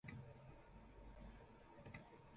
日本郵便